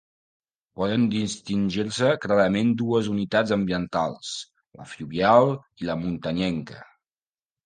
Poden distingir-se clarament dues unitats ambientals, la fluvial i la muntanyenca.